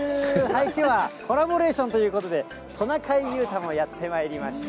きょうはコラボレーションということで、トナカイ裕太もやってまいりました。